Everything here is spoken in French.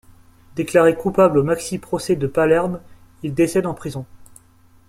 Déclaré coupable au maxi procès de Palerme, il décède en prison.